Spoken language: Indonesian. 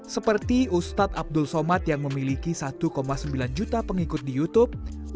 seperti ustadz abdul somad yang memiliki satu sembilan juta pengikut di youtube